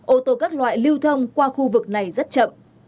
ô tô các loại lưu thông qua khu vực này rất chậm